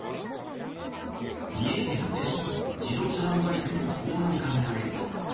三重県伊勢市の自動車販売店の防犯カメラ映像。